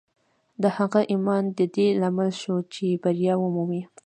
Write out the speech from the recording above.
د هغه ایمان د دې لامل شو چې بریا ومومي